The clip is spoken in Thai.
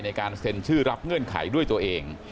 ในการเซ็นชื่อรับเงื่อนไขด้วยตัวเอง